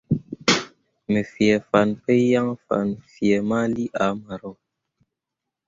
Me fee fan pǝ yaŋ fan fee ma lii ah maroua.